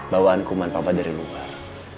bawaan kuman papa dari luar